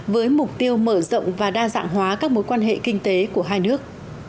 với mục tiêu mở rộng và đa dạng hóa các mối quan hệ kinh tế của hai nước